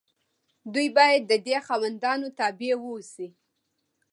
دوی باید د دې خاوندانو تابع واوسي.